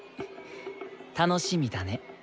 楽しみだね。